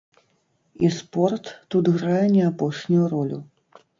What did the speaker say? І спорт тут грае не апошнюю ролю.